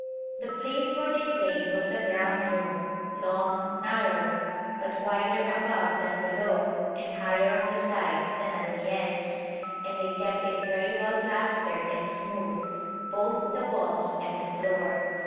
The place where they played was a ground room, long, narrow, but wider above than below and higher on the sides than at the ends, and they kept it very well plastered and smooth, both the walls and the floor.